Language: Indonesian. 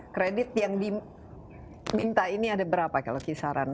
kredit yang diminta ini ada berapa kalau kisaran